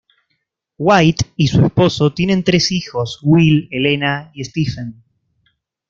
White y su esposo tienen tres hijos: Will, Elena y Stephen.